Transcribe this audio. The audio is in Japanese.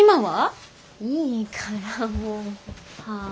いいからもう。はあ。